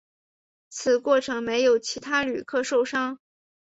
此过程没有其他旅客受伤。